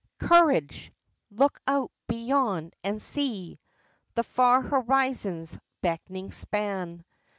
Courage! Look out, beyond, and see The far horizon's beckoning span!